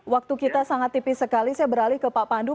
waktu kita sangat tipis sekali saya beralih ke pak pandu